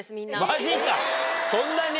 マジかそんなに？